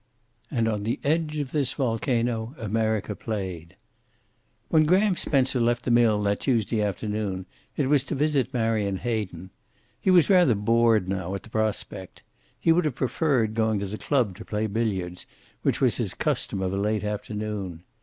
And on the edge of this volcano America played. When Graham Spencer left the mill that Tuesday afternoon, it was to visit Marion Hayden. He was rather bored now at the prospect. He would have preferred going to the Club to play billiards, which was his custom of a late afternoon.